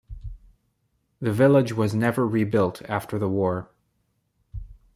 The village was never rebuilt after the war.